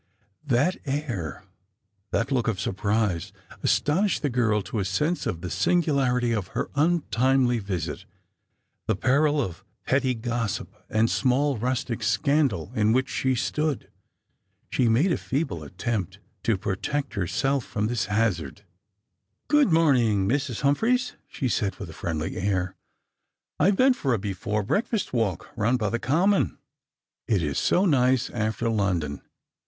That air, that look of surprise, awakened the girl to a sense of the singularity of her untimely visit ; the peril of petty gossip and small rustic scandal in which she stood. She made a feeble attempt to protect herself from this hazard. " Good morning, Mrs. Humphreys," she said with a friendly air. " I have been for a before breakfast walk round by the 236 Strangers and Pilgtimt. common. It is so nice after London.